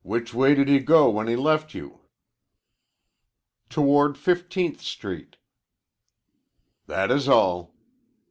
"Which way did he go when he left you?" "Toward Fifteenth Street." "That is all."